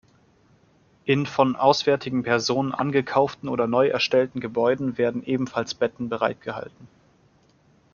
In von auswärtigen Personen angekauften oder neu erstellten Gebäuden werden ebenfalls Betten bereitgehalten.